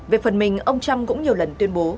về phần mình ông trump cũng nhiều lần tuyên bố